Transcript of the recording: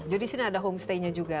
jadi di sini ada homestay nya juga